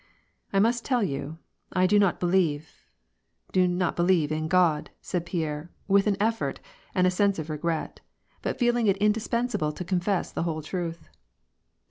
" I must tell you, I do not believe — do not believe in God," said Pierre, with an effort, and a sense of regret, but feeling it indispensable to confess the whole truth.